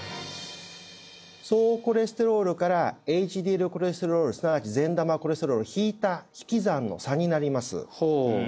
総コレステロールからＨＤＬコレステロールすなわち善玉コレステロールを引いた引き算の差になります